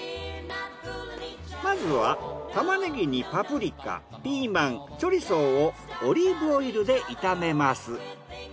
まずはタマネギにパプリカピーマンチョリソーをオリーブオイルで炒めます。